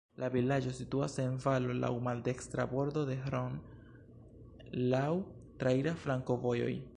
La vilaĝo situas en valo, laŭ maldekstra bordo de Hron, laŭ traira flankovojoj.